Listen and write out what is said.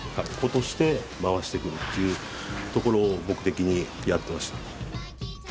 落として回してくるっていうところを目的にやってました。